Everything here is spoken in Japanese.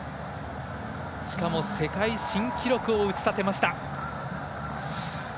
しかも世界新記録を打ち立てました。